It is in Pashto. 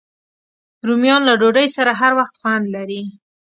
رومیان له ډوډۍ سره هر وخت خوند لري